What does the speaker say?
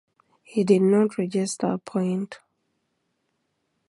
He did not register a point.